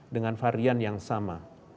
dengan varian yang sama